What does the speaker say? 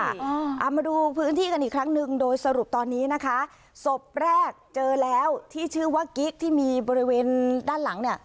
เอามาดูพื้นที่กันอีกครั้งหนึ่งโดยสรุปตอนนี้นะคะศพแรกเจอแล้วที่ชื่อว่ากิ๊กที่มีบริเวณด้านหลังเนี่ย